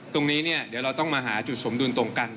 ตรงนี้เนี่ยเดี๋ยวเราต้องมาหาจุดสมดุลตรงกัน